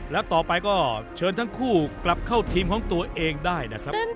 แล้วต่อไปก็เชิญทั้งคู่กลับเข้าทีมของตัวเองได้นะครับ